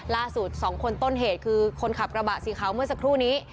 ๒คนต้นเหตุคือคนขับกระบะสีขาวเมื่อสักครู่นี้